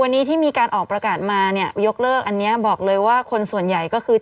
วันนี้ที่มีการออกประกาศมาเนี่ยยกเลิกอันนี้บอกเลยว่าคนส่วนใหญ่ก็คือ